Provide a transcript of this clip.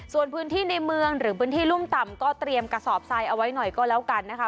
ส่วนพื้นที่ในเมืองหรือพื้นที่รุ่มต่ำก็เตรียมกระสอบทรายเอาไว้หน่อยก็แล้วกันนะคะ